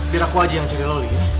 biar aku aja yang cari loli ya